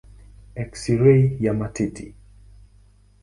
Eksirei ya matiti.